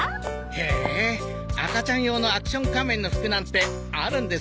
へえ赤ちゃん用のアクション仮面の服なんてあるんですね。